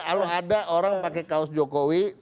kalau ada orang pakai kaos jokowi